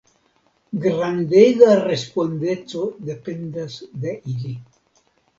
Grandega respondeco dependas de ili.